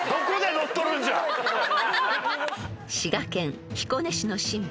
［滋賀県彦根市のシンボル